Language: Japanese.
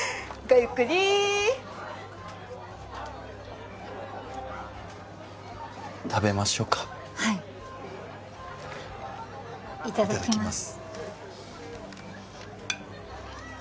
ゆっくり食べましょうかはいいただきます